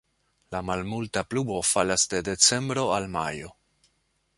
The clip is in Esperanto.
La malmulta pluvo falas de decembro al majo.